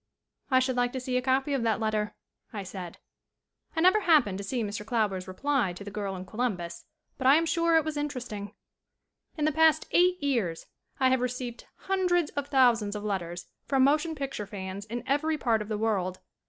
"I should like to see a copy of that letter," I said. SCREEN ACTING 17 I never happened to see Mr. Klauber's reply to the girl in Columbus. But I am sure it was interesting. In the past eight years I have received hun dreds of thousands of letters from motion pic ture fans in every part of the world.